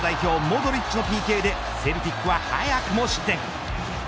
モドリッチのＰＫでセルティックは早くも失点。